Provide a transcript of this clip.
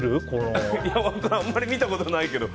あんまり見たことないけど。